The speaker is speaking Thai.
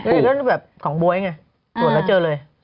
นี่ก็แบบของบ๊วยไงตรวจแล้วเจอเลย